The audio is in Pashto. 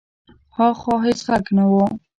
هاخوا هېڅ غږ نه و.